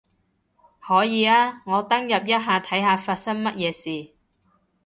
可以啊，我登入一下睇下發生乜嘢事